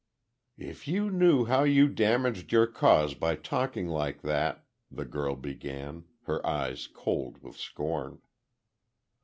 "If you knew how you damaged your cause by talking like that—" the girl began, her eyes cold with scorn.